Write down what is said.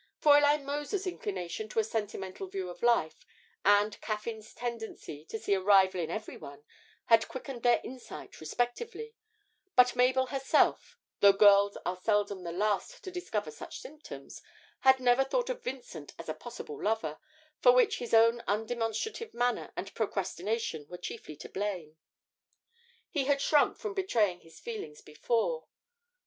Fräulein Mozer's inclination to a sentimental view of life, and Caffyn's tendency to see a rival in every one, had quickened their insight respectively; but Mabel herself, though girls are seldom the last to discover such symptoms, had never thought of Vincent as a possible lover, for which his own undemonstrative manner and procrastination were chiefly to blame. He had shrunk from betraying his feelings before.